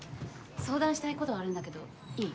相談したいことあるんだけどいい？